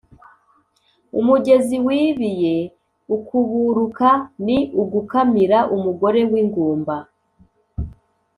Umugezi wibiye ukuburuka ni ugukamira umugore w'ingumba,